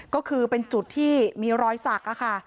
ก็คือเป็นจุดที่มีรอยสักค่ะ